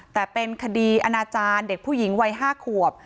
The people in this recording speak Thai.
แต่เป็นคดีอนาจารย์เด็กผู้หญิงวัย๕ขวบ